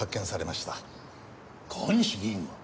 川西議員が？